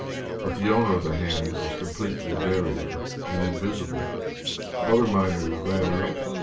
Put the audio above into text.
But the owner of the hand was completely buried and invisible. Other miners ran up.